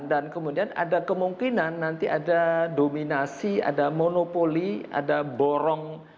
kemudian ada kemungkinan nanti ada dominasi ada monopoli ada borong